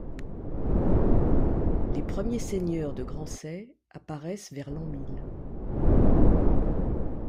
Les premiers seigneurs de Grancey apparaissent vers l'an mille.